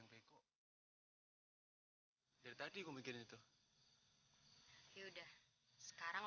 lo udah nyakit gue rom